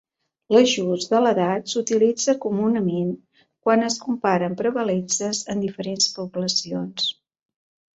L'ajust de l'edat s'utilitza comunament quan es comparen prevalences en diferents poblacions.